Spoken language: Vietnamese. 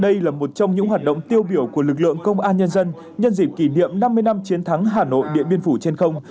đây là một trong những hoạt động tiêu biểu của lực lượng công an nhân dân nhân dịp kỷ niệm năm mươi năm chiến thắng hà nội điện biên phủ trên không